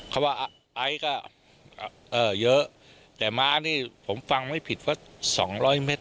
เขาบอกเลยไอ้เยอะแต่ม้านี่ผมฟังไม่ผิดว่า๒๐๐เมตร